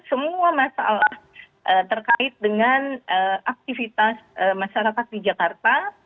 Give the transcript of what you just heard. semua masalah terkait dengan aktivitas masyarakat di jakarta